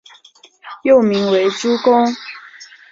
幼名为珠宫。